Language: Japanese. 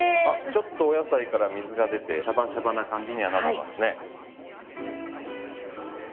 ちょっとお野菜から水が出てシャバシャバな感じにはなってますね。